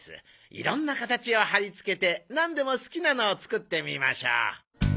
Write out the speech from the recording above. いろんな形を貼りつけてなんでも好きなのを作ってみましょう。